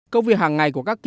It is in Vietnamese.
công việc hàng ngày của các kỹ